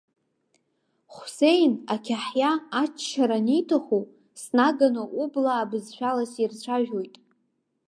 Хәсеин ақьаҳиа аччара аниҭаху, снаганы ублаа бызшәала сирцәажәоит.